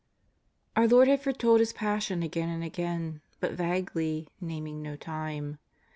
Our Lord had foretold His Passion again and again, but vaguely, naming no time.